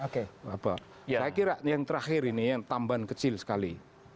saya kira yang terakhir ini yang tambahan kecil sekali